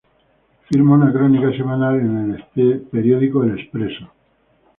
Firma una crónica semanal en el periódico Expresso.